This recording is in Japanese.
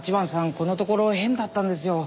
このところ変だったんですよ。